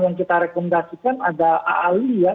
yang kita rekomendasikan ada aali ya